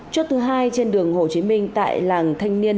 chốt thứ hai trên đường hồ chí minh tại làng thanh niên